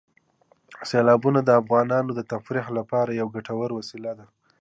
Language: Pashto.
سیلابونه د افغانانو د تفریح لپاره یوه ګټوره وسیله ده.